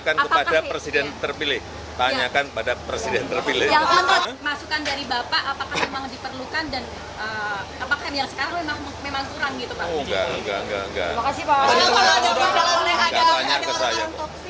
kalau ada masalah oleh agama jangan tanya ke saya